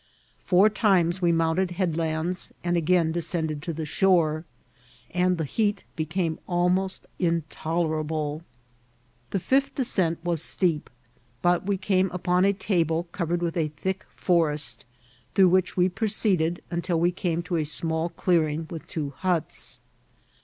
Four times we mount* ed headlands and again descended to the shore, and the heat became almost intolerable. The fifth ascent was steep, but we came up<m a table covered with a thick ftxest, through which we proceeded until we came to a small clearing with two huts.